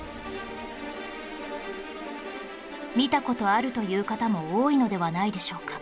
見た事あるという方も多いのではないでしょうか？